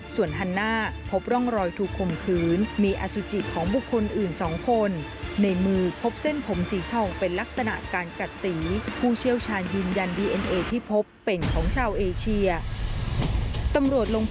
สวัสดีค่ะ